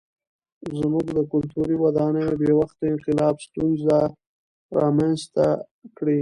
زموږ د کلتوري ودانیو بې وخته انقلاب ستونزې رامنځته کړې.